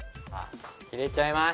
入れちゃいます。